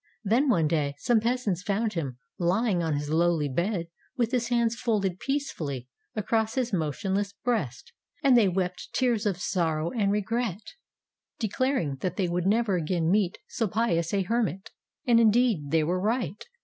Then one day, some peasants found him, lying on his lowly bed, with his hands folded peacefully across his motionless breast. And they wept tears of sorrow and regret, declaring that they would never again meet so pious a hermit. And indeed they were right.